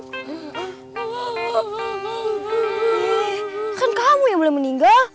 eh kan kamu yang boleh meninggal